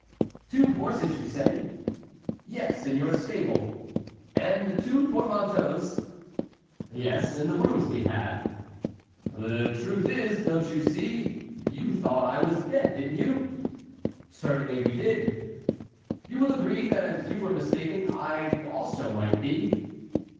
"Two horses, you say?" "Yes, in your stable." "And two portmanteaus?" "Yes, in the rooms we had." "The truth is, don't you see—you thought I was dead, didn't you?" "Certainly we did." "You will agree that as you were mistaken, I also might be."